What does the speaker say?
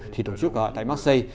thì tổ chức tại mác sai